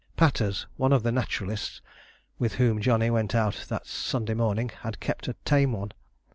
"Patters," one of the naturalists with whom Johnny went out that Sunday morning, had kept a tame one.